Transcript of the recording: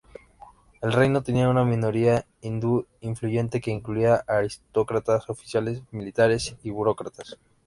El reino tenía una minoría hindú influyente, que incluía aristócratas, oficiales militares y burócratas.